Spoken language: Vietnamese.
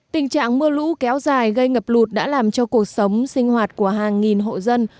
tình trạng mưa lũ kéo dài gây ngập lụt đã làm cho cuộc sống sinh hoạt của hàng nghìn hộ dân